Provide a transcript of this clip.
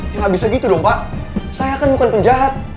ya nggak bisa gitu dong pak saya kan bukan penjahat